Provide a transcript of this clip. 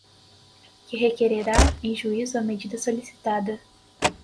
que requererá em juízo a medida solicitada.